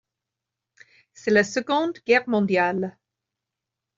C'est la Seconde guerre mondiale.